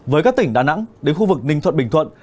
với các tỉnh đà nẵng đến khu vực ninh thuận bình thuận